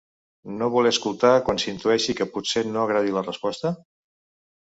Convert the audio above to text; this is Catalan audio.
No voler escoltar quan s’intueix que potser no agradi la resposta?